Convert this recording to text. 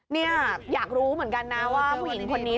เนี่ยอยากรู้เหมือนกันนะว่าผู้หญิงคนนี้